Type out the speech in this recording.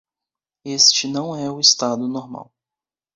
Este não é o estado normal.